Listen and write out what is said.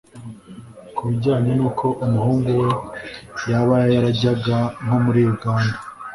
Ku bijyanye n’uko umuhungu we yaba yarajyaga nko muri Uganda